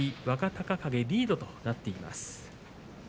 若隆景リードとなっています。